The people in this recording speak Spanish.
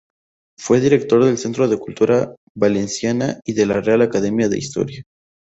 Fue director del Centro de cultura Valenciana y de la Real academia de Historia.